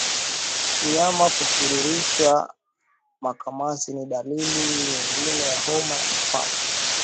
Mnyama kutiririsha makamasi ni dalili nyingine ya homa ya mapafu